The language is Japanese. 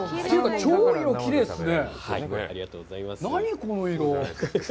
超色がきれいですね！